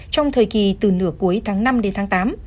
trong thời kỳ từ nửa cuối tháng năm tám